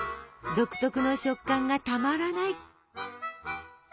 独特の食感がたまらない！